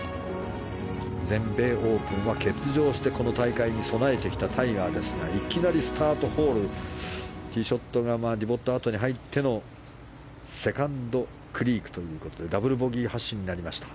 全米オープンは欠場してこの大会に備えてきたタイガーですがいきなりスタートホールでティーショットがディボット跡に入ってのセカンドクリークということでダブルボギー発進になりました。